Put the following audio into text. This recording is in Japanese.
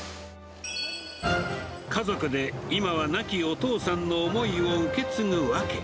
家族で今は亡きお父さんの思いを受け継ぐ訳。